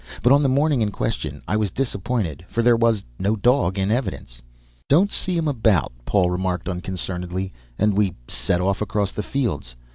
But on the morning in question I was disappointed, for there was no dog in evidence. "Don't see him about," Paul remarked unconcernedly, and we set off across the fields.